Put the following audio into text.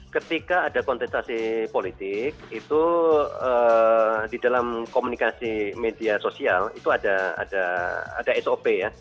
ketika ada kontestasi politik itu di dalam komunikasi media sosial itu ada sop ya